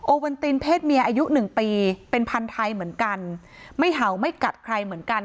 วันตินเพศเมียอายุหนึ่งปีเป็นพันธุ์ไทยเหมือนกันไม่เห่าไม่กัดใครเหมือนกัน